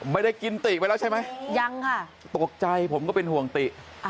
ไม่ได้กินติ๊กไว้แล้วใช่ไหมตกใจผมก็เป็นห่วงติ๊กยังค่ะ